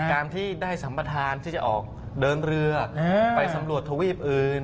การที่ได้สัมประธานที่จะออกเดินเรือไปสำรวจทวีปอื่น